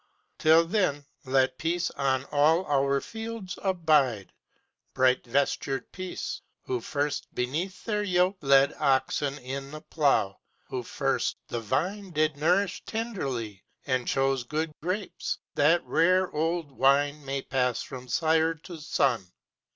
Till then, let Peace on all our fields abide! Bright vestured Peace, who first beneath their yoke Led oxen in the plough, who first the vine Did nourish tenderly, and chose good grapes, That rare old wine may pass from sire to son!